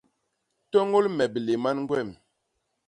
Tôñôl me biléman gwem.